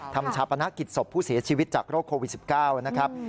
ชาปนกิจศพผู้เสียชีวิตจากโรคโควิด๑๙นะครับ